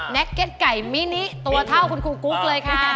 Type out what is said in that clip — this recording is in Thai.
เก็ตไก่มินิตัวเท่าคุณครูกุ๊กเลยค่ะ